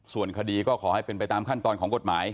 ส่วนคดีก็ขอให้เป็นไปตามขั้นตอนของกฎหมาย